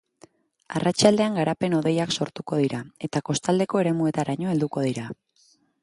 Arratsaldean garapen hodeiak sortuko dira eta kostaldeko eremuetaraino helduko dira.